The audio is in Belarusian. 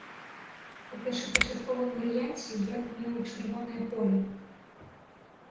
У першапачатковым варыянце герб меў чырвонае поле.